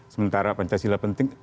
sementara pancasila penting